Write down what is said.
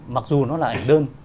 mặc dù nó là ảnh đơn